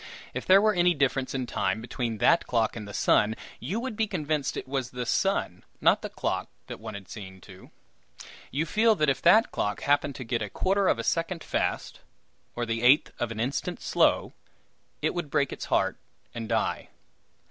If there were any difference in time between that clock and the sun, you would be convinced it was the sun, not the clock, that wanted seeing to. You feel that if that clock happened to get a quarter of a second fast, or the eighth of an instant slow, it would break its heart and die.